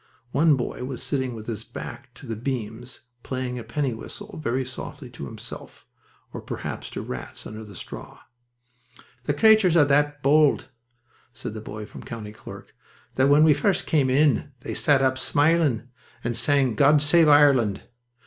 One boy was sitting with his back to the beams, playing a penny whistle very softly to himself, or perhaps to the rats under the straws. "The craytures are that bold," said a boy from County Cork, "that when we first came in they sat up smilin' and sang 'God Save Ireland.'